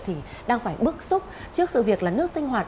thì đang phải bức xúc trước sự việc là nước sinh hoạt